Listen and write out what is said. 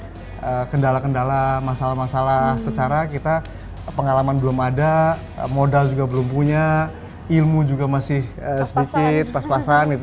tapi kendala kendala masalah masalah secara kita pengalaman belum ada modal juga belum punya ilmu juga masih sedikit pas pasan gitu